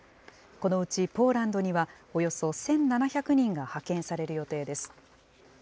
このうちポーランドにはおよそ１７００人が派遣される予定です。